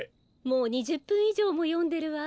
もう２０ぷんいじょうもよんでるわ。